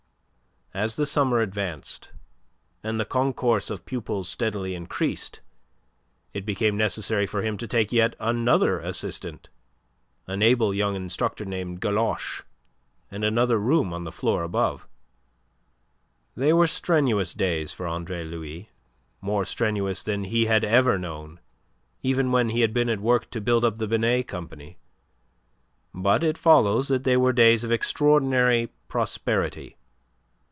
As the summer advanced, and the concourse of pupils steadily increased, it became necessary for him to take yet another assistant an able young instructor named Galoche and another room on the floor above. They were strenuous days for Andre Louis, more strenuous than he had ever known, even when he had been at work to build up the Binet Company; but it follows that they were days of extraordinary prosperity.